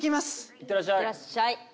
いってらっしゃい。